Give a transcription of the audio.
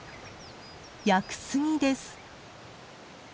屋久杉です。